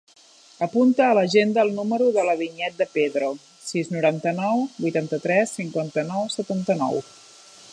Apunta a l'agenda el número de la Vinyet De Pedro: sis, noranta-nou, vuitanta-tres, cinquanta-nou, setanta-nou.